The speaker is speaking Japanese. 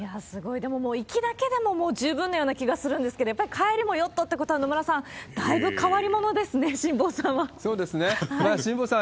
でも、もう行きだけでももう十分のような気がするんですけど、やっぱり帰りもヨットってことは、野村さん、だいぶ変わりものですね、辛坊さんは。